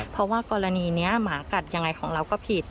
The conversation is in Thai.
เพราะว่ากรณีนี้หมากัดยังไงของเราก็ผิด